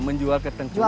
menjual ke tengkulak